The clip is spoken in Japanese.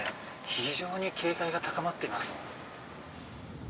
非常に警戒が高まっています。